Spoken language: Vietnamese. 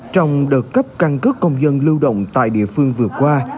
trong đợt cấp căn cước công dân lưu động tại địa phương vừa qua